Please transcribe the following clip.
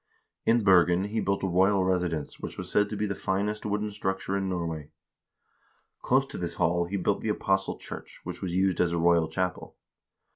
In Bergen he built a royal residence, which was said to be the finest wooden structure in Norway. Close to this hall he built the Apostle church, which was used as a royal chapel.